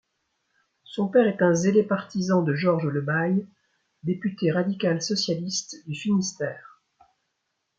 Son père est un zélé partisan de Georges Le Bail, député radical-socialiste du Finistère.